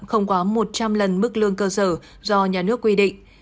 không quá một trăm linh lần mức lương cơ sở do nhà nước quy định